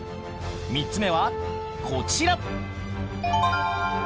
３つ目はこちら！